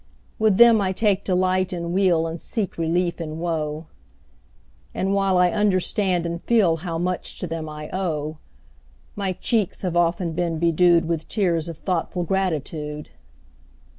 With them I take delight in weal And seek relief in woe; And while I understand and feel How much to them I owe, 10 My cheeks have often been bedew'd With tears of thoughtful gratitude.